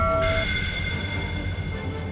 kami sudah berhubung